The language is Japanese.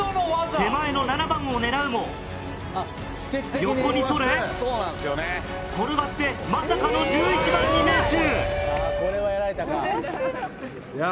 手前の７番を狙うも横に反れ転がってまさかの１１番に命中。